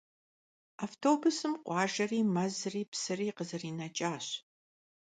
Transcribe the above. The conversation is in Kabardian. Автобусым къуажэри, мэзри, псыри къызэринэкӏащ.